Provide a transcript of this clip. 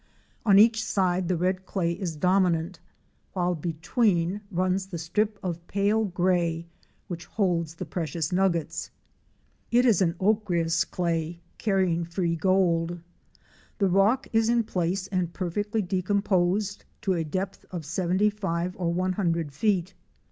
On each side the red clay is dominant, while between runs the strip of pale gray which holds the precious nuggets. Fic. 77. THE WILDERNESS TRAIL. It is an ochreous clay carrying free gold. The rock is in place and perfectly decomposed to a depth of seventy five or one hundred fect.